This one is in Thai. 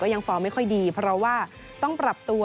ยังฟอร์มไม่ค่อยดีเพราะว่าต้องปรับตัว